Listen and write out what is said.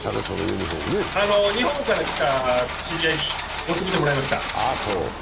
日本から来た知り合いに持ってきてもらいました。